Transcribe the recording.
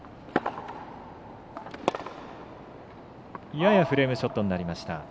ややフレームショットになりました。